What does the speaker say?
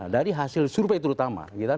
dari hasil survei terutama